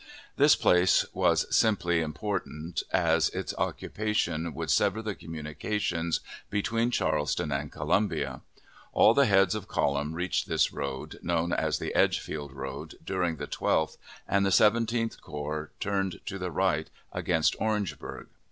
This place was simply important as its occupation would sever the communications between Charleston and Columbia. All the heads of column reached this road, known as the Edgefield road, during the 12th, and the Seventeenth Corps turned to the right, against Orangeburg.